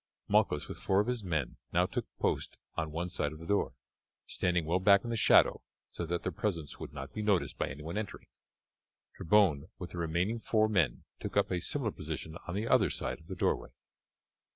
Malchus with four of his men now took post on one side of the door, standing well back in the shadow so that their presence would not be noticed by anyone entering. Trebon with the remaining four men took up a similar position on the other side of the doorway.